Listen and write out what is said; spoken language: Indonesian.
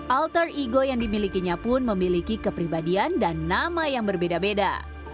alter ego yang dimilikinya pun memiliki kepribadian dan nama yang berbeda beda